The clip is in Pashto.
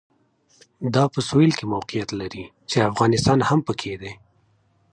دا په سوېل کې موقعیت لري چې افغانستان هم پکې دی.